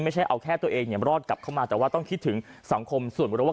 ไม่ใช่เอาแค่ตัวเองเนี่ยรอดกลับเข้ามาแต่ว่าต้องคิดถึงสังคมส่วนรวมว่า